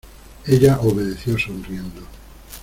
ella obedeció sonriendo.